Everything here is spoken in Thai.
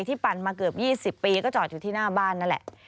ปั่นมาเกือบ๒๐ปีก็จอดอยู่ที่หน้าบ้านนั่นแหละ